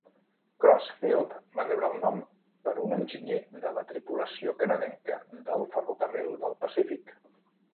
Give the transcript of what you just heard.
Crossfield va rebre el nom per un enginyer de la tripulació canadenca del ferrocarril del Pacífic.